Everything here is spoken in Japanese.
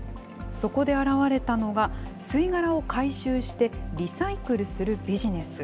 そこで現れたのが、吸い殻を回収して、リサイクルするビジネス。